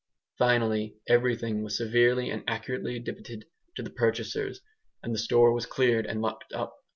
Finally, everything was severely and accurately debited to the purchasers, and the store was cleared and locked up.